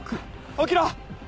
起きろ！